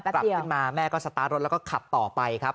กลับขึ้นมาแม่ก็สตาร์ทรถแล้วก็ขับต่อไปครับ